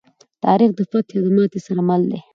تاریخ د فتحې او ماتې سره مل دی.